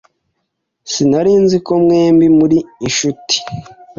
Sinari nzi ko mwembi muri inshuti.